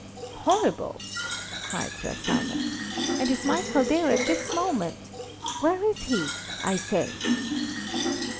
"Horrible!" cried Sir Simon. "And is Michael there at this moment? Where is he, I say?"